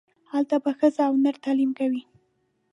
هلته به ښځې و نر تعلیم کوي.